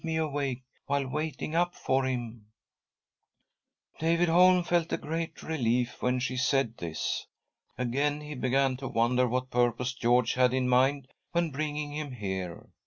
me awake while waiting up for him." ■■ ;SS^ : David Holm felt a great relief^when she said this. Again he began to wonder what purpose George had in mind when bringing him here.